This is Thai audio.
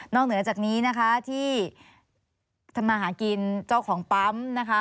เหนือจากนี้นะคะที่ทำมาหากินเจ้าของปั๊มนะคะ